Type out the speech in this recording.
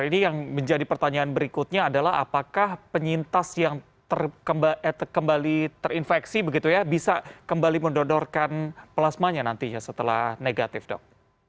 ini yang menjadi pertanyaan berikutnya adalah apakah penyintas yang kembali terinfeksi begitu ya bisa kembali mendonorkan plasmanya nantinya setelah negatif dok